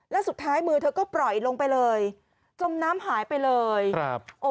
แล้วสุดท้ายมือเธอก็ปล่อยลงไปเลยจมน้ำหายไปเลยครับ